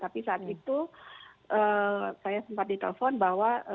tapi saat itu saya sempat ditelepon bahwa